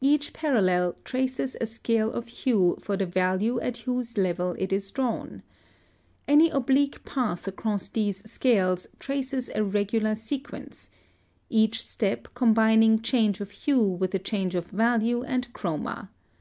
Each parallel traces a scale of hue for the value at whose level it is drawn. Any oblique path across these scales traces a regular sequence, each step combining change of hue with a change of value and chroma.